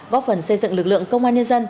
góp phần xây dựng lực lượng công an nhân dân